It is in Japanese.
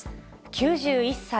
９１歳。